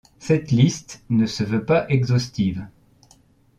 Cette liste ne se veut pas exhaustive.